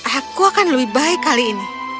aku akan lebih baik kali ini